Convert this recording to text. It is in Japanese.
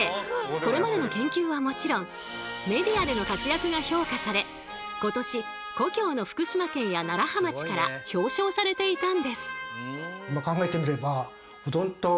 これまでの研究はもちろんメディアでの活躍が評価され今年故郷の福島県や葉町から表彰されていたんです。